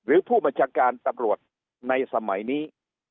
ผู้บัญชาการตำรวจในสมัยนี้